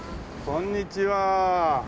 こんにちは。